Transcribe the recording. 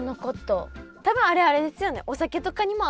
多分あれあれですよねお酒とも。